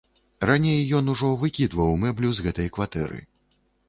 Раней ён ужо выкідваў мэблю з гэтай кватэры.